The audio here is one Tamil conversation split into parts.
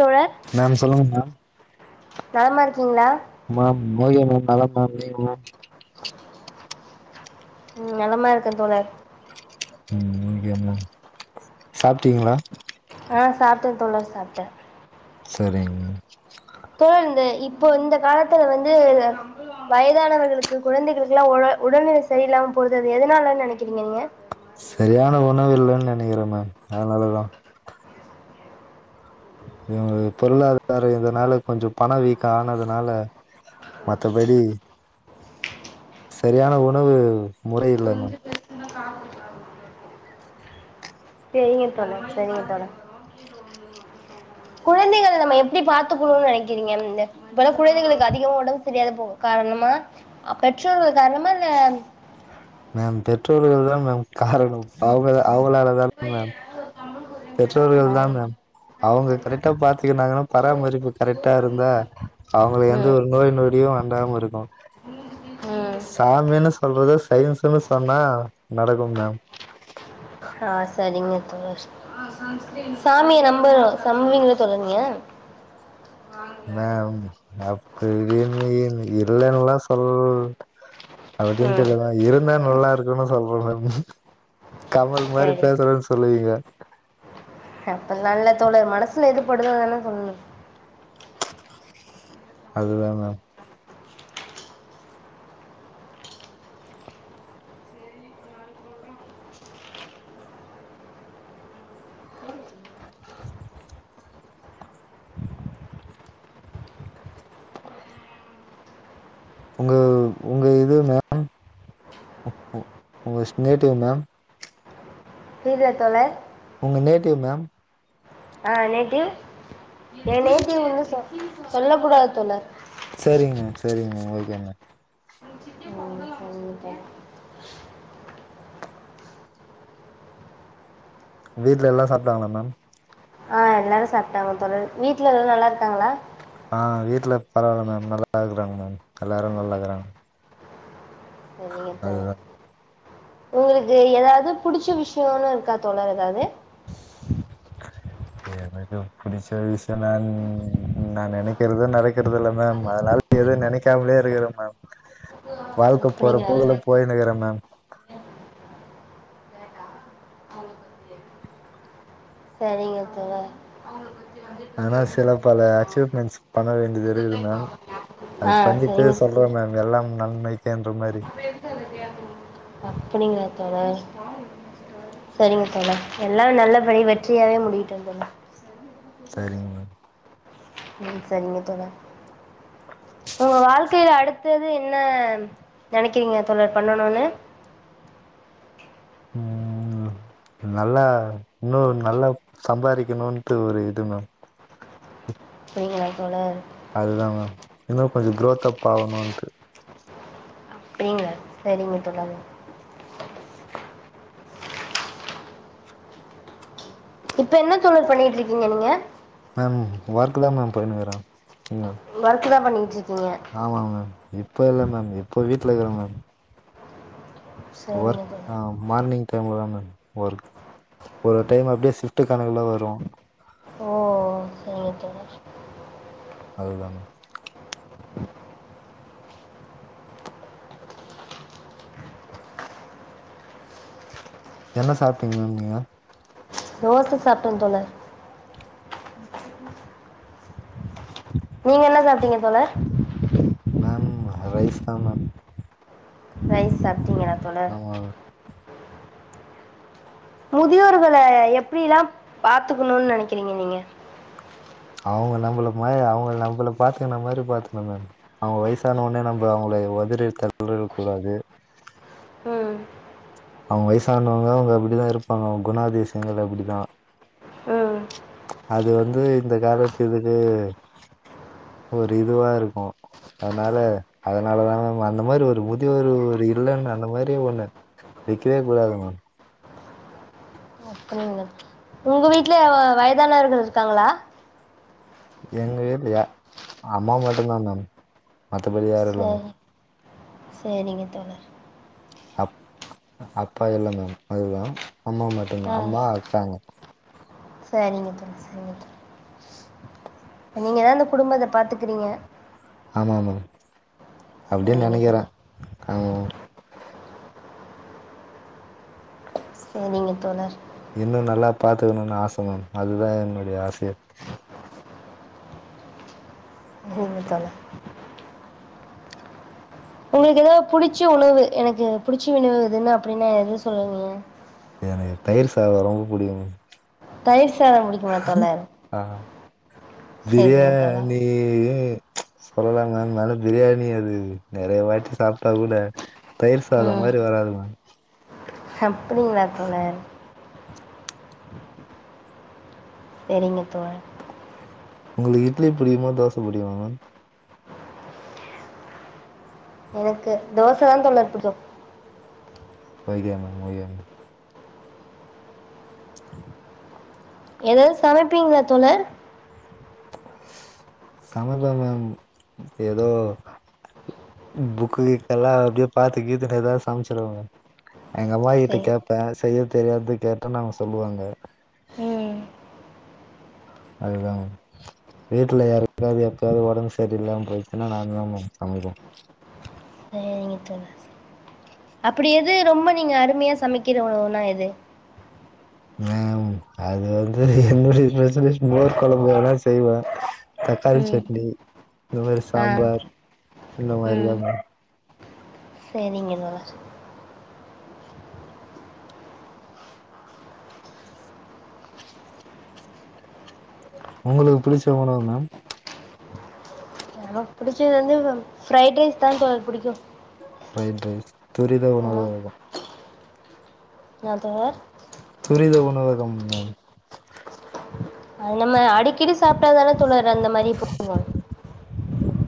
தோழர் மேம் சொல்லுங்க மேம் நார்மா இருக்கீங்களா மேம் [unintelligible] ம் நலமா இருக்கே தோழர் ம் ஓகே மேம் சாப்ட்டீங்களா அ சாப்டே தோழர் சாப்ட்டே செரிங்க தோழர் இந்த இப்போ இந்த காலத்துல வந்து வயதானவர்களுக்கு குழந்தைகளுக்குலா ஒட உடல்நிலை சரியில்லாம போறது அது எதுனாலன்னு நெனக்கிறீங்க நீங்க சரியான உணவு இல்லன்னு நெனக்கிறே நா அதனால தா இவுங்களுகு பொருளாதாரொ இருந்தனால கொஞ்சொ பணொ வீக்கா ஆனதுனால மத்தபடி சரியான உணவு முறை இல்ல மேம் [unintelligible] செரிங்க தோழா செரிங்க தோழா குழந்தைகள நம்ம எப்டி பாத்துக்கணுன் நெனக்கிறீங்க இந்த அது போல குழந்தைகளுக்கு அதிகமா உடம்பு சரியாத போகு காரணமா பெற்றோர்கள் காரணமா இல்ல மேம் பெற்றோர்கள் தா மேம் காரணம் அவுங்க அவுங்களால தா மேம் [unintelligible] ஆ. பெற்றோர்கள் தா மேம் அவுங்க கரெக்ட்டா பாத்துக்குன்னாங்கன்னா பராமரிப்பு கரெக்ட்டா இருந்தா அவுங்களுக்கு எந்த ம் ஒரு நோய் நொடியு அண்டாம இருக்கு ம் சாமின்னு சொல்றது சயின்ஸுன்னு சொன்னா நடக்கு மேம் ஆ செரிங்க தோழர் சாமிய நம்பரோ நம்புவீங்கள தோழர் நீங்க மேம் [unintelligible] இல்லன்னுல்லா சொல் அப்டின்ட்டு ம் இல்ல மேம் இருந்தா நல்லா இருக்குன்னு சொல்றே மேம் கமல் மாதிரி சரி பேசுறேன்னு சொல்லுவீங்க அப்புட்ல்லா இல்ல தோழர் மனசுல எது படுதோ அதானே சொல்லணு அதுதா மேம் உங்க உங்க இது மேம் உங்க நேட்டிவ் மேம் கேக்குதா தோழர் உங்க நேட்டிவ் மேம் ஆ நேட்டடிவ் எ நேட்டிவ் வந்து சொல்ல சொல்ல கூடாது தோழர் செரிங்க மேம் செரிங்க மேம் ஓகே மேம் ஒஹோ வீட்ல எல்லா சாப்ட்டாங்களா மேம் ஆ எல்லாரு சாப்ட்டாங்க தோழர் வீட்ல எல்லாரு நல்லா இருக்காங்களா ஆ வீட்ல பரவால்ல மேம நல்லா தா இருக்குறாங்க மேம் எல்லாரு நல்லா இருக்குறாங்க சரிங்க அதுதா தோழர் உங்களுக்கு எதாவது புடிச்ச விஷயோன்னு இருக்கா தோழர் எதாவது [inaudible] எனக்கு புடிச்ச விசயனா நா நெனைக்கிறது நடக்கறது இல்ல மேம் அதுனால எதுவு நெனைக்காமலே இருக்குறே மேம் க்கு ஆ வாழ்க்க போகுற போக்ல போயினுக்குறே மேம் சரிங்க சார் எதுனா சில பல அச்சீவ் மெண்ட்ஸ் பண்ண வேண்டியது இருக்குது மேம் அது ஆ சரிங்க பண்ணிட்டு சொல் ன்றே மேம் எல்லாம் நன்மைக்கேன்ற மாரி இப்ப எப்ப அது சரியாகப் போனு அப்டிங்களா தோழர் சரிங்க தோழர் எல்லா நல்லபடியா வெற்றியாவே முடியட்டு தோழர் சரிங்க மேம் ம் சரிங்க தோழர் உங்க வாழ்க்கையில அடுத்தது என்ன நெனைக்கிறீங்க தோழர் பண்ணனுன்னு ம் ம் ல நல்லா இன்னு நல்லா சம்பாரிக்கனுட்டு ஒரு இது மேம் புரியுதுங்களா தோழர் அதுதா மேம் இன்ன கொஞ்ச குரோத் அப் ஆகணுன்ட்டு பேய்ங்களா சரிங்க தோழர் இப்ப என்ன தோழர் பண்ணிட்ருக்கீங்க நீங்க மேம் ஒர்க்கு தா மேம் போயினுக்குறே இங்க ஒர்க் தா பண்ணிகிட்ருக்கீங்க ஆமா மேம் இப்ப இல்ல மேம் இப்ப வீட்ல இருக்குறே மேம் சரிங்க ஒர்க் தோழர் ஆம் மார்னிங் டைம்ல தா ஒர்க் ஒரு டைம் அப்டியே சிஃப்ட் கணக்குல வரு ஓ சரிங்க தோழர் அதுதான் என்ன சாப்டீங்க மேம் நீங்க தோச சாப்டே தோழர் நீங்க என்ன சாப்டீங்க தோழர் மேம் ரைஸ் தா மேம் ரைஸ் சாப்டிங்களா தோழர் ஆமா மேம் முதியோர்கல எப்டியெல்லா பாத்துக்கணுன்னு நெனைக்கிறீங்க நீங்க அவுங்க நம்மள அவுங்க நம்மள பாத்துக்குன மாரி பாத்துக்கனு மேம் அவுங்க வயசான ஒட்னே நம்ம அவுங்கள உதறி தள்ளி விட்ற கூடாது ம் அவுங்க வயசானவங்க அவுங்க அப்டிதா இருப்பாங்க அவுங்க குணாதிசயங்கள் அப்டிதா ம் அது வந்து இந்த காலத்து இதுக்கு ஒரு இதுவா இருக்கு அதனால அதனால தாம அந்த மாரி ஒரு முதியவர் ஒரு இல்லன்னு அந்த மாரியே ஒன்னு வெக்கவே கூடாதுன்னு அப்டிங்க உங்க வீட்ல வயதானவர்கள் இருக்காங்களா எங்க வீட்லயா அம்மா மட்டுதா மேம் மத்தபடி யாரு இல்ல மேம் செரி செரிங்க தோழர் அப் அப்பா இல்ல மேம் அதுதா அம்மா மட்டுதா அம்மா அக்காங்க செரிங்க தோழர் செரி தோழர் நீங்கதா அந்த குடும்பத்த பாத்துக்கறீங்க ஆமா மேம் அப்டின் சரிங்க நெனைக்கிறே தோழர் அவ சேரிங்க தோழர் இன்னு நல்லா பாத்துக்கணுனு ஆச மேம் அதுதா என்னுடைய ஆசையே சேரிங்க தோழ உங்களுக்கு எதாவ்து புடிச்ச உணவு எனக்கு புடிச்ச உணவு இதுன்னு அப்டினா எது சொல்லுவீங்க எனக்கு தயிர் சாதோ ரொம்ப புடிக்கு மேம் தயிர் சாதோ புடிக்குமா தோழர் ஆ சரிங்க தோழர் பிரியாணி சொல்லலா மேம் இருந்தாலு பிரியாணி அது நறைய வாட்டி சாப்டாகூட தயிர் சாதோ மாரி வராது மேம் அப்டிங்களா தோழர் சேரிங்க தோழர் உங்களுக்கு இட்லி புடிக்குமா தோச புடிக்குமா மேம் எனக்கு தோசதா தோழர் புடிக்கு ஓகே மேம் ஓகே மேம் எதாது சமைப்பீங்களா தோழர் சமைப்ப மேம் எதோ புக்கு கிக்கெல்லா அப்டியே பாத்து கீத்து எதாது சமச்சிருவ மேம் எங்க அம்மாகிட்ட சரி கேப்பே செய்ய தெரியாது கேட்டா நாங்க சொல்லுவாங்க ம் அதுதா மேம் வீட்ல யாருக்காது எப்பயாவ்து ஒடம்பு செரியில்லாம போய்ச்சுனா நாங்கதா மேம் சமைப்போ செரிங்க தோழர் செரி அப்படி எது ரொம்ப நீங்க அருமையா சமைக்கிற உணவுனா எது மேம் அது வந்து என்னுடைய ஸ்பெஷலே மோர் கொழம்பு வேணா செய்வே தக்காளி ம் சட்னி இந்த மாரி ஆ சாம்பார் இந்த மாரிதா மேம் செரிங்க தோழர் உங்களுக்கு புடிச்ச உணவு மேம் புடிச்சது வந்து ஃப்ரைட் ரைஸ்தா தோழர் புடிக்கு ஃப்ரைட் ரைஸ் துரித உணவு அதுலா என்ன தோழர் துரித உணவகம் மேம் அது நம்ம அடிக்கடி சாப்டாதான தோழர் அந்த மாரி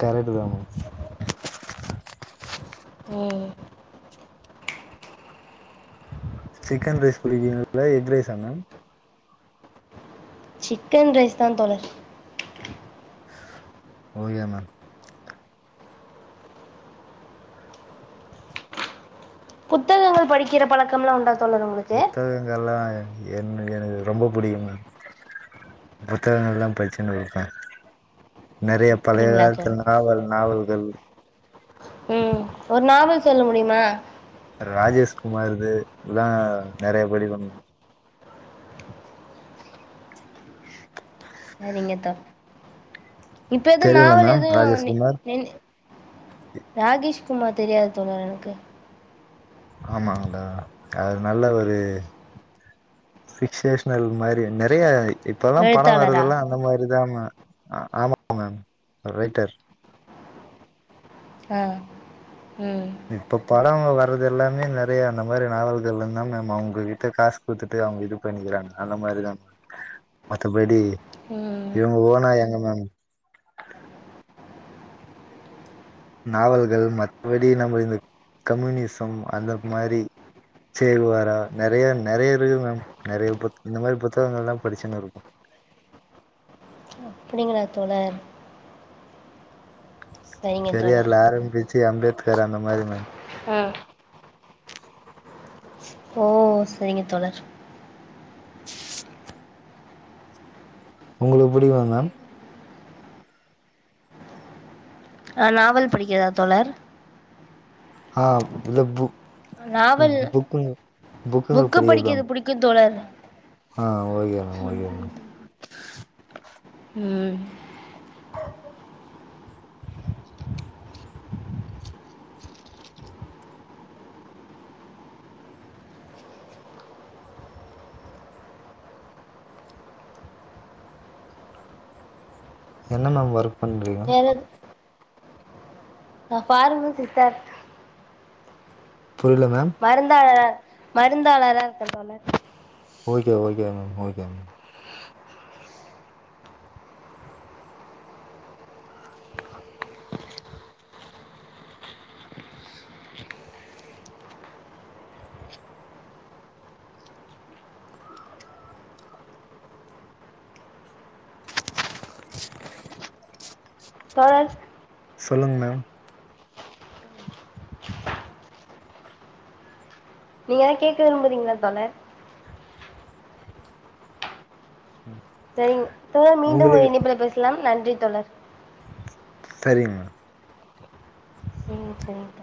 கரெட்டுதா மேம் ம் சிக்கன் ரைஸ் புடிக்குங்ல்லா எக் ரைஸா மேம் சிக்கன் ரைஸ்தா தோழர் ஓகே மேம் புத்தகங்கள் படிக்கிற பழக்கம்லா உண்டா தோழறே உங்ளு புத்தகங்கள்லா என்னு எனுக்கு ரொம்ப புடிக்கும் மேம் புத்தகங்கள்லா பச்சினு இருப்பே நெறய பழய அப்டிங்களா காலத்து தோழி நாவல் நாவல்கள் ம் ஒர் நாவல் சொல்ல முடியுமா ராஜேஷ்குமார்து இதா நெறய படிப்பே ம் சரிங்க தோழ் இப்போ எது தெரியுல்ல நாவல் மேம் எதயு நி ராஜேஷ்குமார் நீன் ராகேஷ்குமார் தெரியாது தோழர் எனக்கு ஆமாங்ளா அது நல்ல ஒரு ஃபிக்சேஷ்னல் மாரி நெறய இப்பல்லா படோ எழுத்தாளரா வருதெல்லா அந்த மாரி தா ம ஆமா மேம் ரைட்டர் ஆ ம் இப்ப படோங்க வர்றது எல்லாமே நெறய அந்த மாரி நாவல்கள் இருந்தா மேம் அவுங்ககிட்ட காசு குடுத்துட்டு அவுங்க இது பண்ணிக்குறாங்க அந்த மாரிதா மத்தபடி ம் இவுங்க ஓனா எங்க மேம் நாவல்கள் மத்தபடி நம்ம இந்த கம்யூனிசம் அந்த மாரி சேகுவாரா நெறய நெறய இருக்கு மேம் நெறய புத் இந்த மாரி புத்தகங்கள்லாம் படிச்சுன்னு இருக் அப்புடிங்களா தோழர் சரிங்க தோழர் பெரியார்ல ஆரம்பிச்சு அம்பேத்கர் அந்த மாரி மேம் ம் ஓ செரிங்க தோழர் உங்குளுக் புடிக்குமா மேம் ஆ நாவல் படிக்கிர்தா தோழர் ஆ இந்த புக் நாவல் புக்குங்க புக்கு படிக்கிறதா படிக்கர்து மேம். புடிக்கும் தோழர் ஆ ஓக்கே மேம் ஓக்கே மேம் ம் என்ன மேம் ஒர்க் பண்றிங்க வேற நா பார்மா சிஸ்டர் புரில மேம் மருந்தாள மருந்தாளராருக்கே தோழர் ஓக்கே ஓக்கே மேம் ஓக்கே ம் [unintelligible] தோழர் சொல்லுங்க மேம் நீங்க கேக்க விரும்புரிங்ளா தோழர் ம் செரிங் தோழர் மீண்டும் ஒரு இண்ணைப்புல பேசலா நன்றி தோழர் சரிங் மா ம் செரிங்க தோழ